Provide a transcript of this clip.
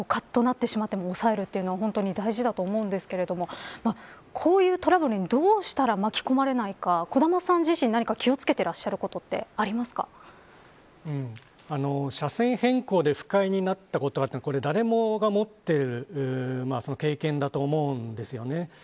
かっとなってしまっても抑えるというのは本当に大事だと思うんですがこういうトラブルにどうしたら巻き込まれないか小玉さん自身何か気を付けてらっしゃる車線変更で不快になったことは誰もが持っている経験だと思うんです。